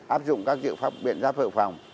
áp dụng các dự pháp biện giáp hợp phòng